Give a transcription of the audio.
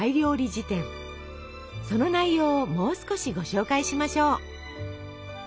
その内容をもう少しご紹介しましょう。